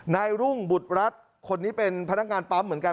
นายรุ่งบุตรรัฐคนนี้เป็นพนักงานปั๊มเหมือนกัน